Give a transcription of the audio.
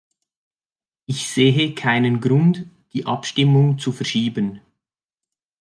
Ich sehe keinen Grund, die Abstimmung zu verschieben.